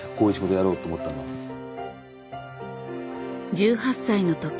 １８歳の時